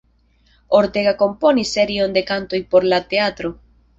Ortega komponis serion de kantoj por la teatro.